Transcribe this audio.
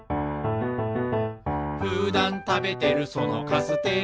「ふだんたべてるそのカステラ」